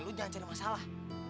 lu jangan jadi masalah